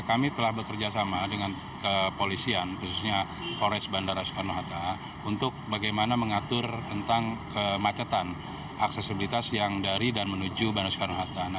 kami telah bekerjasama dengan kepolisian khususnya polres bandara soekarno hatta untuk bagaimana mengatur tentang kemacetan aksesibilitas yang dari dan menuju bandara soekarno hatta